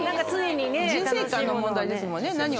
人生観の問題ですもんね。